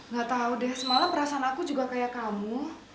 gak tau deh semalam perasaan aku juga kayak kamu